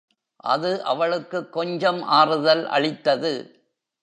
அது அவளுக்குக் கொஞ்சம் ஆறுதல் அளித்தது.